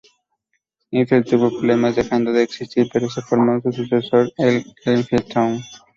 Enfield tuvo problemas, dejando de existir, pero se formó su sucesor, el Enfield Town.